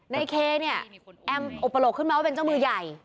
ในเคเนี่ยแอมอุปโลกขึ้นมาว่าเป็นเจ้ามือใหญ่